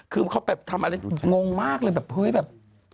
คือเขาแบบทำอะไรงงมากเลยกับ